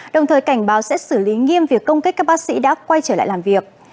đồng thời cảnh báo sẽ xử lý nghiêm việc công kích các bác sĩ đã quay trở lại làm việc